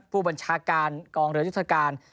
ผู้บัญชาการกองเรือยุทธการ